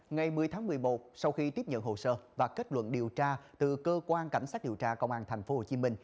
ngày một mươi tháng một mươi một sau khi tiếp nhận hồ sơ và kết luận điều tra từ cơ quan cảnh sát điều tra công an tp hcm